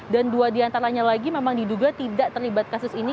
dan dua diantaranya lagi memang diduga tidak terlibat kasus ini